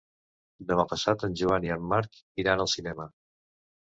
Demà passat en Joan i en Marc iran al cinema.